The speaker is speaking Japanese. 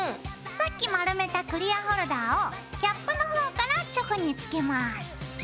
さっき丸めたクリアホルダーをキャップの方からチョコにつけます。